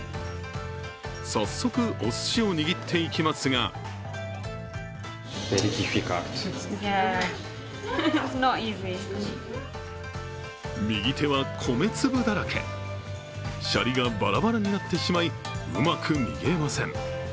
早速、おすしを握っていきますが右手は米粒だらけ、シャリがバラバラになってしまい、うまく握れません。